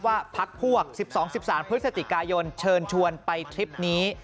ว่าพักพวก๑๒๑๓พฤศจิกายนเชิญชวนไปทริปนี้